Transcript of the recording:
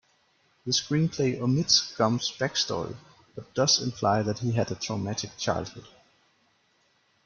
The screenplay omits Gumb's backstory, but does imply that he had a traumatic childhood.